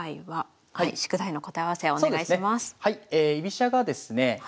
はい。